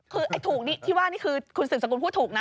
คือไอ้ถูกนี่ที่ว่านี่คือคุณสืบสกุลพูดถูกนะ